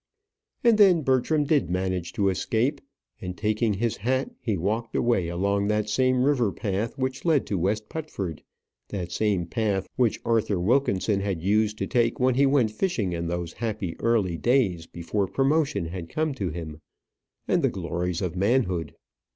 And then Bertram did manage to escape; and taking his hat he walked away along that same river path which led to West Putford that same path which Arthur Wilkinson had used to take when he went fishing in those happy early days before promotion had come to him, and the glories of manhood.